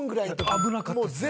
危なかったですね。